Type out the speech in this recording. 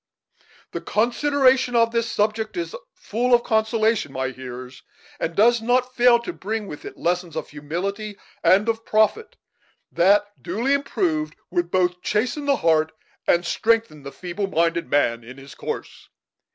"The consideration of this subject is full of consolation, my hearers, and does not fail to bring with it lessons of humility and of profit, that, duly improved, would both chasten the heart and strengthen the feeble minded man in his course.